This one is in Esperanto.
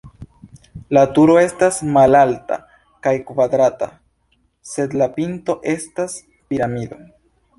La turo estas malalta kaj kvadrata, sed la pinto estas piramido.